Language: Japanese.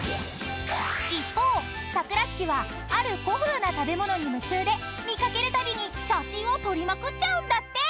［一方サクラっちはある古風な食べ物に夢中で見掛けるたびに写真を撮りまくっちゃうんだって！］